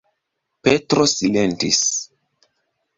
Petro silentis.